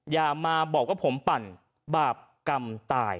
อย่ามาบอกว่าผมปั่นบาปกรรมตาย